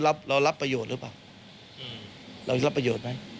เรารับประโยชน์หรือเปล่าเราจะรับประโยชน์ไหม